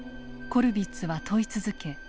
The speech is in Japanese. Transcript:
コルヴィッツは問い続け